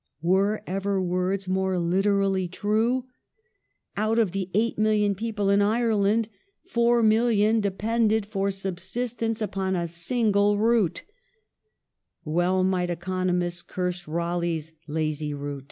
^ Were ever words more literally true ? Out of the 8,000,000 people in Ireland 4,000,000 depended for subsistence upon a single root. Well might economists curse Raleigh's '' lazy root".